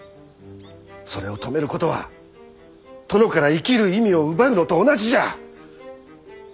それを止めることは殿から生きる意味を奪うのと同じじゃ。